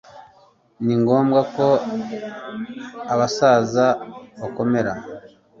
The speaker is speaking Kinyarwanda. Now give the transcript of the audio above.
ni ngombwa ko abasaza bakomera